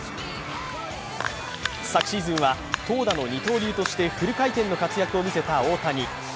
昨シーズンは投打の二刀流としてフル回転の活躍を見せた大谷。